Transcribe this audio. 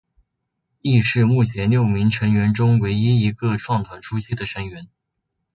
亦是目前六名成员中唯一一个创团初期的成员。